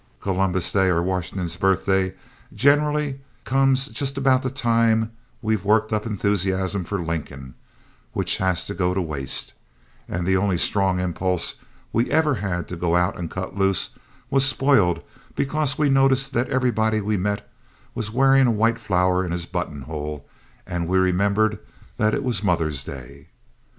Columbus Day or Washington's Birthday generally comes just about the time we've worked up an enthusiasm for Lincoln, which has to go to waste, and the only strong impulse we ever had to go out and cut loose was spoiled because we noticed that everybody we met was wearing a white flower in his buttonhole and we remembered that it was Mother's Day.